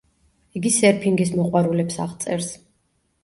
იგი სერფინგის მოყვარულებს აღწერს.